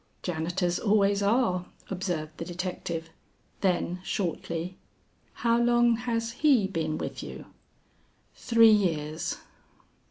"Janitors always are," observed the detective; then shortly, "How long has he been with you?" "Three years."